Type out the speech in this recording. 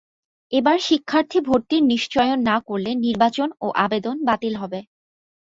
এবার শিক্ষার্থী ভর্তির নিশ্চয়ন না করলে নির্বাচন ও আবেদন বাতিল হবে।